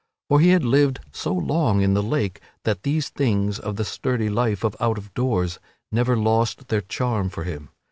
For he had lived so long in the Lake that these things of the sturdy life of out of doors never lost their charm for him.